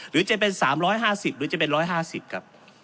หรือจะเป็น๓๕๐หรือจะเป็น๑๕๐ครับ